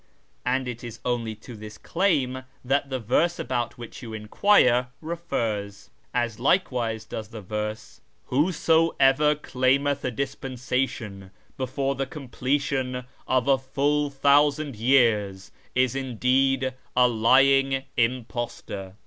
And it is only to this claim that the verse about which you enquire refers, as likewise does the verse, ' Whosoever claimcth a disjK'nsation before the completmi of a full thousand years is indeed a lying imjoostor.'